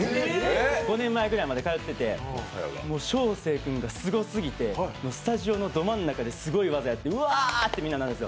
５年前ぐらいまで通っていて将成君がすごすぎてスタジオのど真ん中ですごい技やって、うわってなるんですよ。